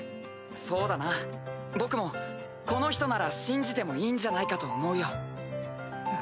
そうだな僕もこの人なら信じてもいいんじゃないかと思うよ。